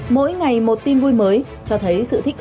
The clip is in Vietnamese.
mỗi ngày một tin vui mới cho thấy sự thích ứng